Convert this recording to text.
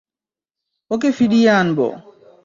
ওকে ফিরিয়ে আনব!